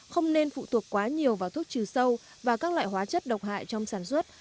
không nên phụ thuộc quá nhiều vào thuốc trừ sâu và các loại hóa chất độc hại trong sản xuất